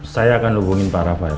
saya akan hubungin pak rafael